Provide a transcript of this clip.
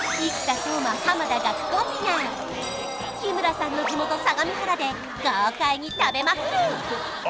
斗真濱田岳コンビが日村さんの地元相模原で豪快に食べまくる！